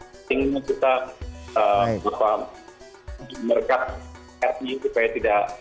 pentingnya kita merkaf etni supaya tidak